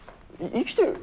生きてる？